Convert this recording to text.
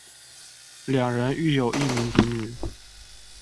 两人育有一名子女。